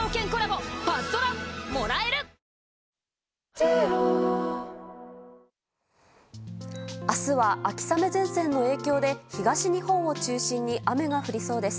今日は東京でも明日は秋雨前線の影響で東日本を中心に雨が降りそうです。